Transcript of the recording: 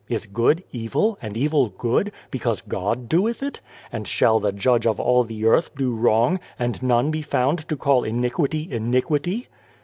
Is good evil, and evil good, because God doeth it ? And shall the Judge of all the earth do wrong, and none be found to call iniquity, iniquity